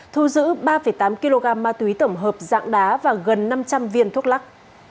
thu giữ ba tám kg ma túy tổng hợp dạng đá và gần năm trăm linh viên thuốc lắc